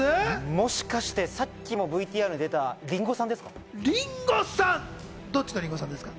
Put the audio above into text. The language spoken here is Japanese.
もしかしてさっきもＶＴＲに出た林檎さんですか？